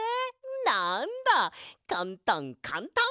なんだかんたんかんたん！